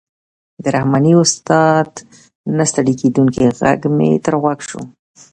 د رحماني استاد نه ستړی کېدونکی غږ مې تر غوږ شو.